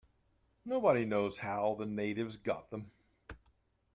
Nobody knows how the natives got them.